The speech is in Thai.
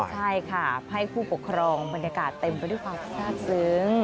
ใช่ค่ะให้ผู้ปกครองบรรยากาศเต็มไปด้วยความทราบซึ้ง